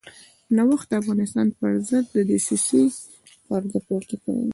نوښت د افغانستان پرضد له دسیسې پرده پورته کوله.